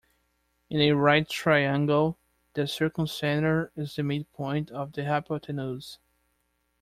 In a right triangle, the circumcenter is the midpoint of the hypotenuse.